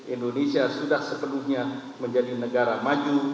indonesia sudah sepenuhnya menjadi negara maju